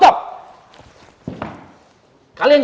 bukan rekening inju